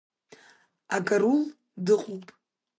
Акарул дыҟоуп.